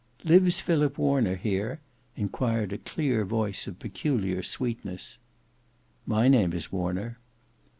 "Lives Philip Warner here?" enquired a clear voice of peculiar sweetness. "My name is Warner."